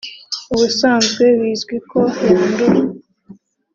ubusanzwe bizwi ko yandura